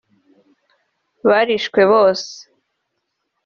barishwe bose